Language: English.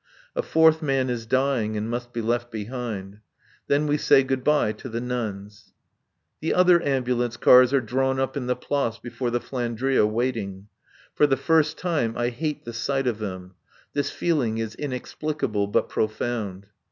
A fourth man is dying and must be left behind. Then we say good bye to the nuns. The other ambulance cars are drawn up in the Place before the "Flandria," waiting. For the first time I hate the sight of them. This feeling is inexplicable but profound.